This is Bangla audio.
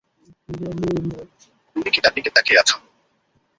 তুমি কি তার দিকে তাকিয়ে আছ?